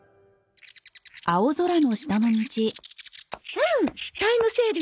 うんタイムセール